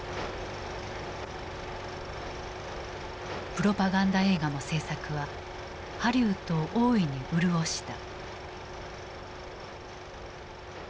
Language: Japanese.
プロパガンダ映画の制作はハリウッドを大いに潤した。